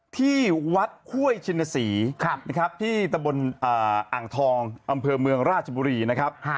ที่วัดห้วยชินศรีนะครับที่ตะบนอ่างทองอำเภอเมืองราชบุรีนะครับ